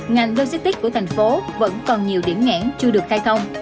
ngành logistics của thành phố vẫn còn nhiều điểm nghẽn chưa được khai thông